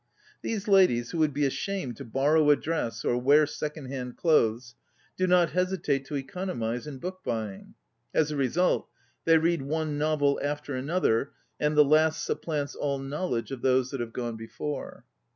These ladies, who would be ashamed to borrow a dress, or wear second hand clothes, do not hesitate to econ omize in book buying. As a result, they read one novel after another, and the last supplants all knowledge of those that have gone before.